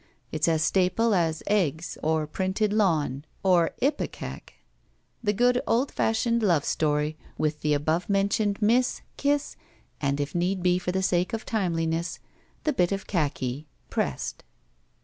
It's as staple as eggs or printed lawn or ipecac. The good old fashioned love story with the above mentioned miss, kiss, and, if need be for the sake of timeliness, the bit of khaki, pressed.